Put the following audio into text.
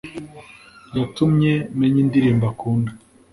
Yatumye menya indirimbo akunda